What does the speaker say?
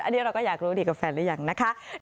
อันนี้เราก็อยากรู้ดีกับแฟนหรือยังนะคะ